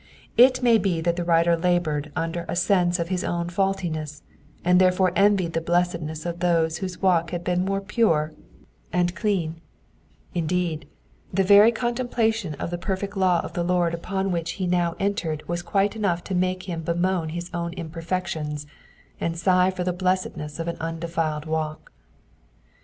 It may be that the writer laboured under a sense of his own faultiness, and there ' fore envied the blessedness of those whose walk had been more pure and Digitized by VjOOQIC 12 EXPOSITIONS OF THE PSALMS. clean ; indeed, the veir contemplation of the perfect law of the Lord upon which he now entered was quite enough to make him bemoan bis own imperfections, and sigh for the blessedness of an undefiled walk.